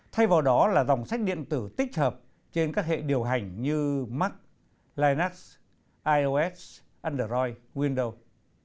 thay vào đó là dòng sách điện tử tích hợp trên các hệ điều hành như mac linux ios android windows